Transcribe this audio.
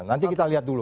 nanti kita lihat dulu